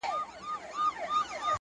د زړه پاکوالی د فکر رڼا زیاتوي!